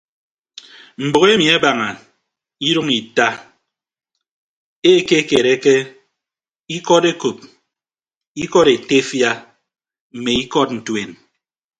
Mbʌk emi abaña idʌñ ita ekekereke ikọd ekop ikọd etefia mme ikọd ntuen.